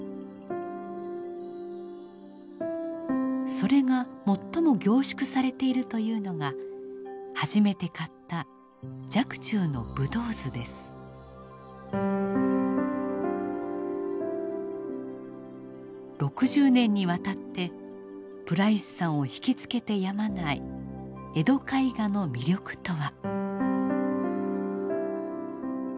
それが最も凝縮されているというのが初めて買った６０年にわたってプライスさんを惹きつけてやまない江戸絵画の魅力とは。